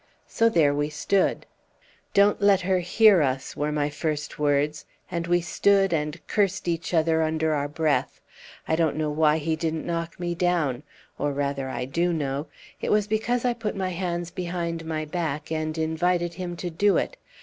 So there we stood. "'Don't let her hear us,' were my first words; and we stood and cursed each other under our breath. I don't know why he didn't knock me down, or rather I do know; it was because I put my hands behind my back and invited him to do it.